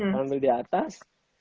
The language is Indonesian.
sambil di atas